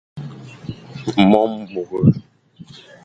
Mo mbore.